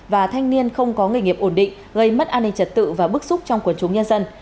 và thanh niên không có nghề nghiệp ổn định gây mất an ninh trật tự và bức xúc trong quần chúng nhân dân